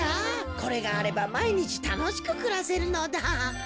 これがあればまいにちたのしくくらせるのだ。